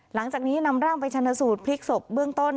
หลังจากนี้นำร่างไปชนสูตรพลิกศพเบื้องต้น